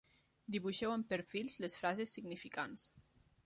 Dibuixeu amb perfils les frases significants.